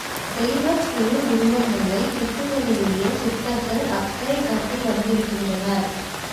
தெய்வத் திருவுருவங்களைத் தீட்டுவதிலேயே சித்ரீகர்கள் அக்கறை காட்டி வந்திருக்கின்றனர்.